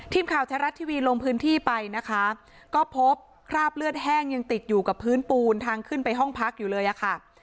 ทีมข่าวแท้รัฐทีวีลงพื้นที่ไปนะคะก็พบคราบเลือดแห้งยังติดอยู่กับพื้นปูนทางขึ้นไปห้องพักอยู่เลยอะค่ะ